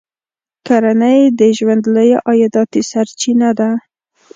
کرنه یې د ژوند لویه عایداتي سرچینه ده.